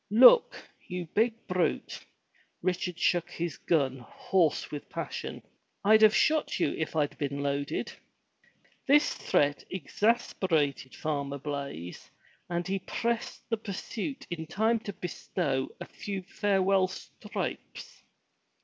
"Look! you big brute," Richard shook his gun, hoarse with passion, "I'd have shot you if I'd been loaded." This threat exasperated Farmer Blaize and he pressed the pursuit in time to bestow a few farewell stripes.